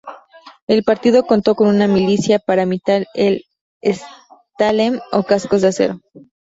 El Partido contó con una milicia paramilitar, el "Stahlhelm" o Cascos de Acero.